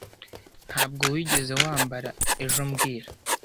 Ntabwo wigeze wambara ejo mbwira